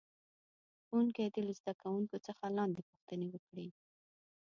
ښوونکی دې له زده کوونکو څخه لاندې پوښتنې وکړي.